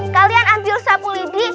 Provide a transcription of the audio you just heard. kalian ambil sapu lidi